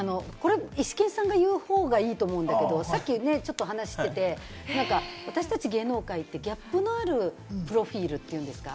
イシケンさんが言う方がいいと思うんだけれども、さっき話ししてて、私達芸能界ってギャップのあるプロフィルというんですか？